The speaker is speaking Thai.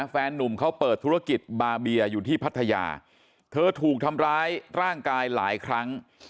นุ่มเขาเปิดธุรกิจบาเบียอยู่ที่พัทยาเธอถูกทำร้ายร่างกายหลายครั้ง